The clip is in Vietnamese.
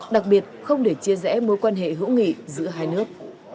đặc biệt không để chia rẽ mối quan hệ hữu nghị giữa hai nước